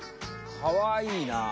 かわいいな。